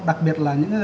đặc biệt là những nơi như